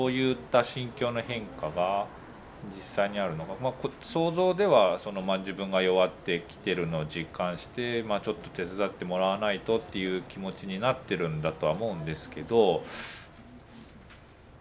まあ想像では自分が弱ってきてるのを実感して「ちょっと手伝ってもらわないと」っていう気持ちになってるんだとは思うんですけど。